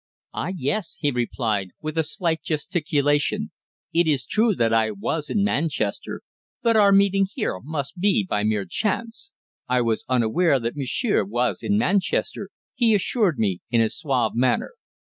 "Ah, yes," he replied, with a slight gesticulation; "it is true that I was in Manchester. But our meeting here must be by mere chance. I was unaware that monsieur was in Manchester," he assured me in a suave manner.